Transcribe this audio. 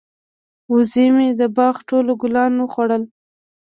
وزې مې د باغ ټول ګلان وخوړل.